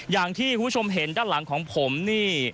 อย่างที่คุณผู้ชมเห็นด้านหลังของผมนี่